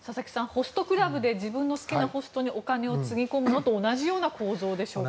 ホストクラブで自分の好きなホストにお金をつぎ込むのと同じような構造でしょうか。